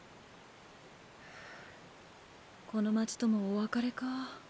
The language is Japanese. この街ともお別れかぁ。